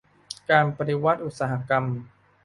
การปฏิวัติอุตสาหกรรม